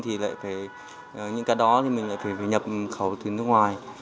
thì lại phải những cái đó thì mình lại phải nhập khẩu từ nước ngoài